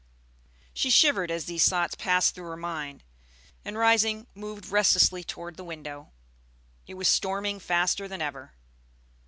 She shivered as these thoughts passed through her mind, and rising moved restlessly toward the window. It was storming faster than ever.